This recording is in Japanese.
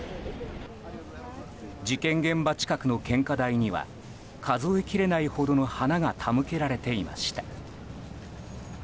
事件現場近くの献花台には数えきれないほどの花が手向けられていました。